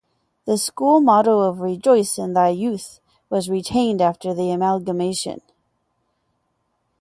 The school motto of "Rejoice in Thy Youth" was retained after the amalgamation.